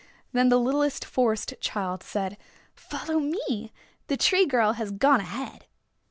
Then the littlest Forest Child said, "Follow me. The Tree Girl has gone ahead."